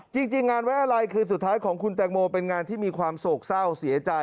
จริงงานไว้อะไรคืนสุดท้ายของคุณแตงโมเป็นงานที่มีความโศกเศร้าเสียใจ